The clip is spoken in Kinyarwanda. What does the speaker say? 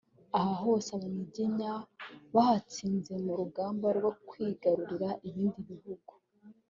Aha hose Abanyiginya bahatsinze mu rugamba rwo kwigarurira ibindi bihugu